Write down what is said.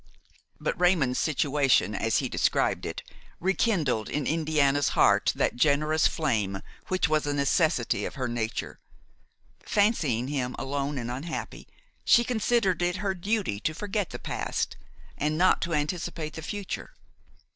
But Raymon's situation, as he described it, rekindled in Indiana's heart that generous flame which was a necessity of her nature. Fancying him alone and unhappy, she considered it her duty to forget the past and not to anticipate the future.